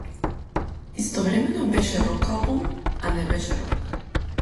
Истовремено беше рок-албум, а не беше рок.